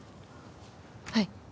はい。